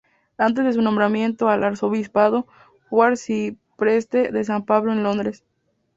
Antes de su nombramiento al arzobispado, fue arcipreste de San Pablo en Londres.